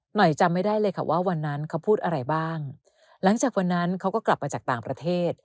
จำไม่ได้เลยค่ะว่าวันนั้นเขาพูดอะไรบ้างหลังจากวันนั้นเขาก็กลับมาจากต่างประเทศ